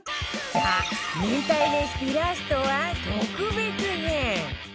さあ明太レシピラストは特別編